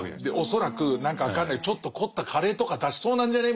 恐らく何か分かんないちょっと凝ったカレーとか出しそうなんじゃね？